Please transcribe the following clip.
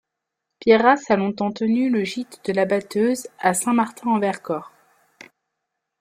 Pierre Rias a longtemps tenu le gîte de la Batteuse à Saint-Martin-en-Vercors.